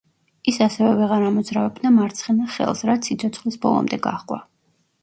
ის ასევე ვეღარ ამოძრავებდა მარცხენა ხელს, რაც სიცოცხლის ბოლომდე გაჰყვა.